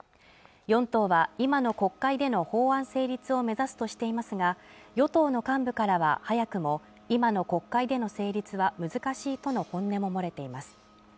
４党は今の国会での法案成立を目指すとしていますが与党の幹部からは早くも今の国会での成立は難しいとの本音も漏れています